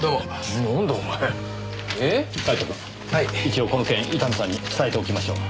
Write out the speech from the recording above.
一応この件伊丹さんに伝えておきましょう。